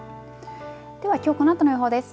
ではきょうこのあとの予報です。